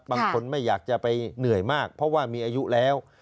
บางคนไม่อยากจะไปเหนื่อยมากเพราะว่ามีอายุแล้ว